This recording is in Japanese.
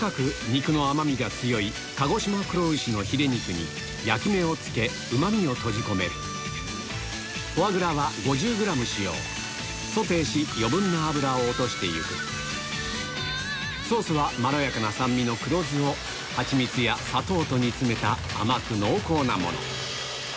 肉の甘みが強い鹿児島黒牛のヒレ肉に焼き目をつけうま味を閉じ込めるフォアグラは５０ｇ使用ソテーし余分な脂を落として行くソースはまろやかな酸味の黒酢を蜂蜜や砂糖と煮つめた甘く濃厚なもの